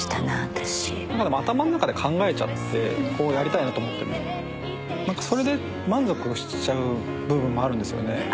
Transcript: まあでも頭ん中で考えちゃってこうやりたいなと思ってもなんかそれで満足しちゃう部分もあるんですよね。